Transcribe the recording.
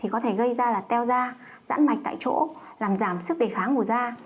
có thể gây ra là teo da rãn mạch tại chỗ làm giảm sức đề kháng của da